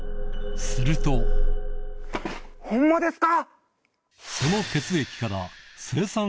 するとホンマですか！